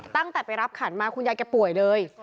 ตั้งแต่ไปรับขันมาคุณยายแกป่วยเลย